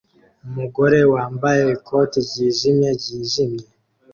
Umugore wambaye ikoti ryijimye ryijimye